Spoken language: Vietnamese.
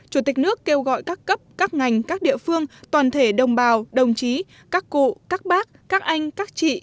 chủ tịch nước kêu gọi các cấp các ngành các địa phương toàn thể đồng bào đồng chí các cụ các bác các anh các chị